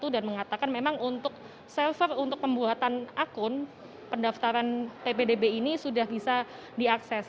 dan mengatakan memang untuk server untuk pembuatan akun pendaftaran ppdb ini sudah bisa diakses